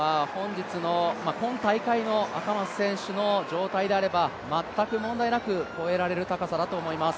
今大会の赤松選手の状態であれば、全く問題なく越えられる高さだと思います。